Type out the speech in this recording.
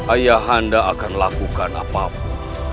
ayah anda akan lakukan apapun